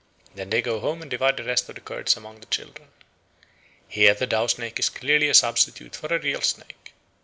Then they go home and divide the rest of the curds among the children. Here the dough snake is clearly a substitute for a real snake.